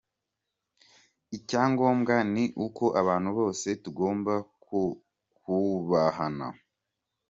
Icyangombwa ni uko abantu bose tugomba kubahana.